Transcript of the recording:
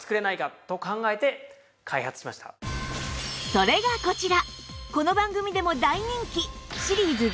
それがこちら！